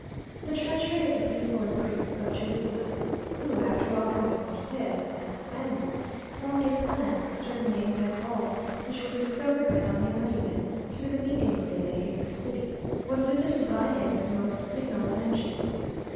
The treachery of the people and priests of Cholula, who, after welcoming Cortes and the Spaniards, formed a plan for exterminating them all, which was discovered by Doña Marina, through the medium of a lady of the city, was visited by him with the most signal vengeance.